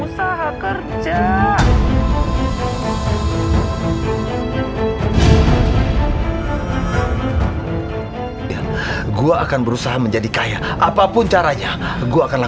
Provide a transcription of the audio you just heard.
sampai jumpa di video selanjutnya